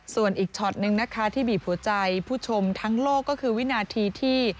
ส่วนอีกช็อตนึงนะคะที่บีบหัวใจผู้ชมทั้งโลกก็คือวินาทีที่